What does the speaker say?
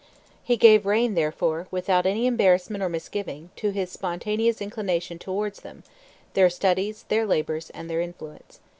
He gave rein, therefore, without any embarrassment or misgiving, to his spontaneous inclination towards them, their studies, their labors, and their influence.